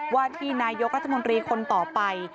ว่าที่นายกรัฐมนตรีคนต่อไป